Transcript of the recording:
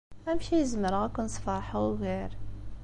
Amek ay zemreɣ ad ken-sfeṛḥeɣ ugar?